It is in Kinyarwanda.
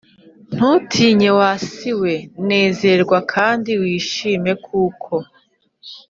Ntutinye wa si we nezerwa kandi wishime kuko